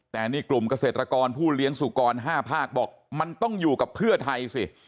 แต่นี่กลุ่มเกษตรกรผู้เลี้ยงสุกร๕ภาคบอกมันต้องอยู่กับเพื่อไทยสิ